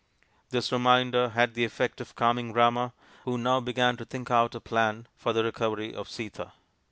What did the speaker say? This reminder had the effect of calming Rama, who RAMA'S QUEST 27 now began to think out a plan for the recovery of Sita.